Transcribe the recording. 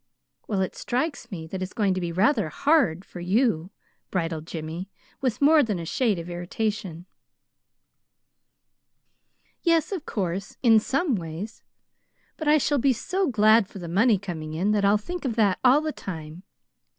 "Well, it strikes me that it's going to be rather HARD for you," bridled Jimmy, with more than a shade of irritation. "Yes, of course, in some ways. But I shall be so glad for the money coming in that I'll think of that all the time.